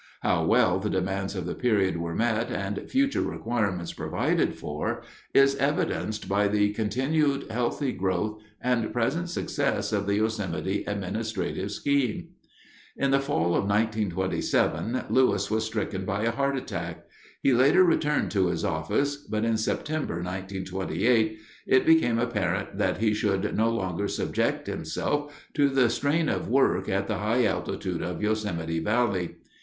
How well the demands of the period were met and future requirements provided for is evidenced by the continued healthy growth and present success of the Yosemite administrative scheme. In the fall of 1927 Lewis was stricken by a heart attack. He later returned to his office, but in September, 1928, it became apparent that he should no longer subject himself to the strain of work at the high altitude of Yosemite Valley.